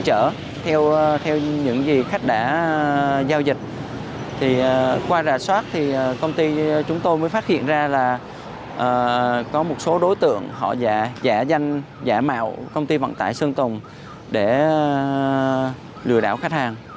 họ giả danh giả mạo công ty vận tải sơn tùng để lừa đảo khách hàng